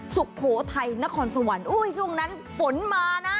สุโขทัยนครสวรรค์อุ้ยช่วงนั้นฝนมานะ